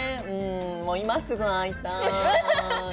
もう今すぐ会いたい。